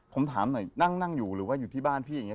ผมถามหน่อยนั่งอยู่หรือว่าอยู่ที่บ้านพี่อย่างนี้